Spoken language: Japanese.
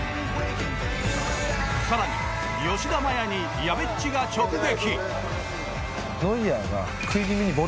更に、吉田麻也にやべっちが直撃。